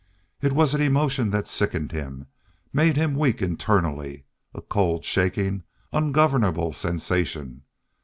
It was an emotion that sickened him, made him weak internally, a cold, shaking, ungovernable sensation.